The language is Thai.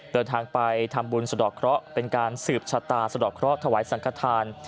เดินทางไปทำบุญสะดอกเคราะห์เป็นการสืบชะตาสะดอกเคราะห์ถวายสังขทาน